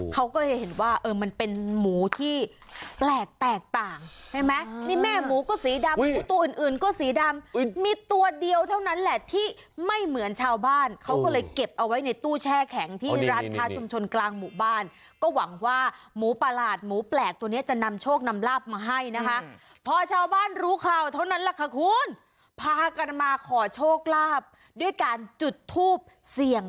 เขาก็เลยเห็นว่าเออมันเป็นหมูที่แปลกแตกต่างใช่ไหมนี่แม่หมูก็สีดำหมูตัวอื่นอื่นก็สีดำมีตัวเดียวเท่านั้นแหละที่ไม่เหมือนชาวบ้านเขาก็เลยเก็บเอาไว้ในตู้แช่แข็งที่ร้านค้าชุมชนกลางหมู่บ้านก็หวังว่าหมูประหลาดหมูแปลกตัวนี้จะนำโชคนำลาบมาให้นะคะพอชาวบ้านรู้ข่าวเท่านั้นแหละค่ะคุณพากันมาขอโชคลาภด้วยการจุดทูบเสี่ยง